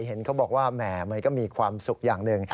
เห็นเขาบอกว่าแหมมันก็มีความสุขอย่างหนึ่ง